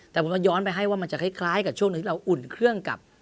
แต่ผมก็ย้อนไปให้ว่ามันจะคล้ายกับช่วงหนึ่งที่เราอุ่นเครื่องกับ